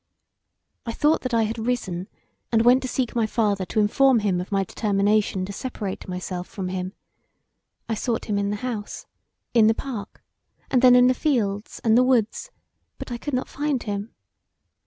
I thought that I had risen and went to seek my father to inform him of my determination to seperate myself from him. I sought him in the house, in the park, and then in the fields and the woods, but I could not find him.